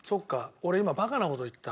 俺今バカな事言った。